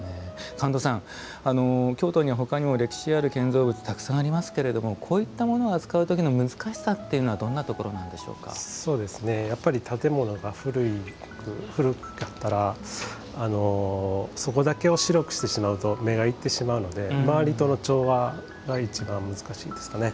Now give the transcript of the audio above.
神門さん、京都には他にも歴史ある建造物がたくさんありますけどもこういったものを扱う時の難しさは建物が古かったらそこだけを白くしてしまうと目がいってしまうので周りとの調和がいちばん難しいですかね。